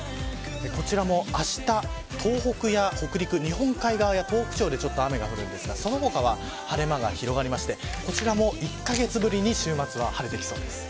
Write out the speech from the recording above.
こちらもあした、東北や北陸日本海側や東北地方で雨が降るんですがその他は晴れ間が広がってこちらも１カ月ぶりに週末は晴れてきそうです。